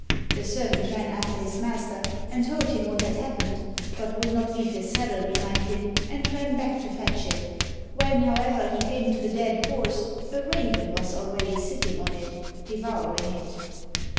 The servant ran after his master and told him what had happened, but would not leave his saddle behind him, and ran back to fetch it. When, however, he came to the dead horse a raven was already sitting on it devouring it.